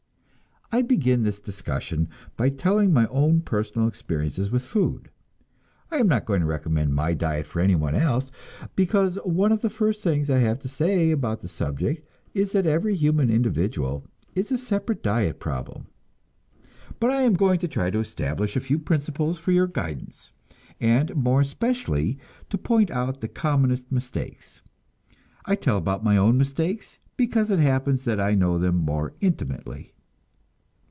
I begin this discussion by telling my own personal experiences with food. I am not going to recommend my diet for anyone else; because one of the first things I have to say about the subject is that every human individual is a separate diet problem. But I am going to try to establish a few principles for your guidance, and more especially to point out the commonest mistakes. I tell about my own mistakes, because it happens that I know them more intimately.